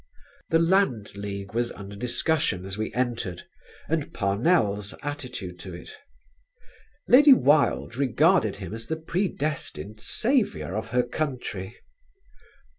The Land League was under discussion as we entered, and Parnell's attitude to it. Lady Wilde regarded him as the predestined saviour of her country.